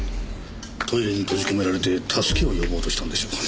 トイレに閉じ込められて助けを呼ぼうとしたんでしょうかねえ。